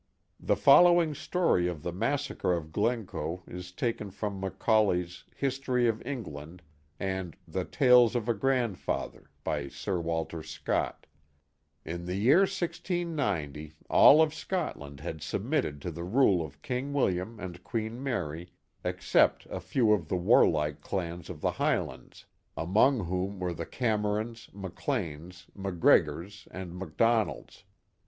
The following story of the massacre of Glencoe is taken from Macaulay's History of England ^nA the Tales of a Grandfather by Sir Walter Scott : In the year 1690 all of Scotland had submitted to the rule of Accounts of the Notorious Butler Family 233 King William and Queen Mary except a few of the warlike clans of the Highlands, among whom were the Camerons, Macleans, Mac Gregors, and Mac Donalds.